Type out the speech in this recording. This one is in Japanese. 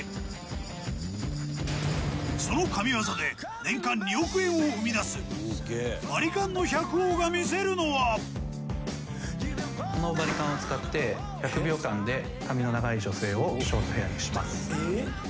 その神技で年間２億円を生み出すバリカンの百王が見せるのはこのバリカンを使って１００秒間で髪の長い女性をショートヘアにします